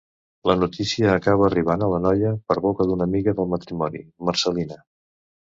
La notícia acaba arribant a la noia per boca d'una amiga del matrimoni, Marcel·lina.